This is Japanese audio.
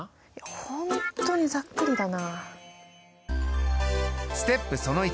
本当にざっくりだな。